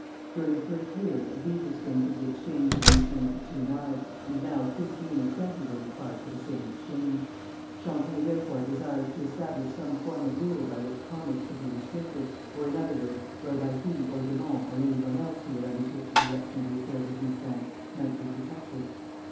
During the first years a beaver skin could be exchanged in return for two knives, and now fifteen or twenty were required for the same exchange. Champlain therefore desired to establish some form of rule by which commerce could be restricted, or in other words, whereby he or de Monts, or any one else who would undertake the direction of the affairs of New France, might be protected.